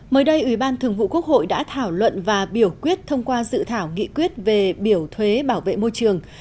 mới đây ủy ban thường vụ quốc hội đã thảo luận và biểu quyết thông qua dự thảo nghị quyết về biểu thuế bảo vệ môi trường